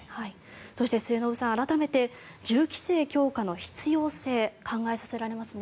そして、末延さん改めて銃規制強化の必要性考えさせられますね。